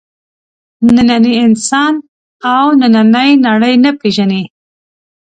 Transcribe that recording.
نننی انسان او نننۍ نړۍ نه پېژني.